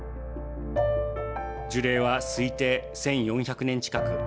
樹齢は推定１４００年近く。